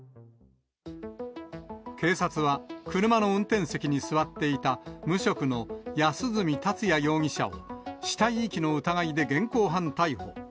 警察は、車の運転席に座っていた、無職の安栖達也容疑者を死体遺棄の疑いで現行犯逮捕。